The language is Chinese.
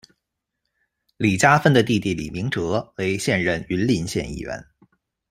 李佳芬的弟弟李明哲为现任云林县议员。